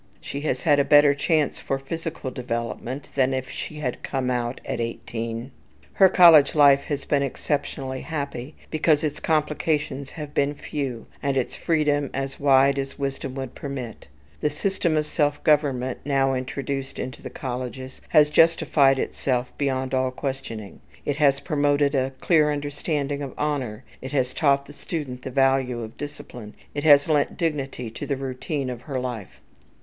She has had a better chance for physical development than if she had "come out" at eighteen. Her college life has been exceptionally happy, because its complications have been few, and its freedom as wide as wisdom would permit. The system of self government, now introduced into the colleges, has justified itself beyond all questioning. It has promoted a clear understanding of honour, it has taught the student the value of discipline, it has lent dignity to the routine of her life.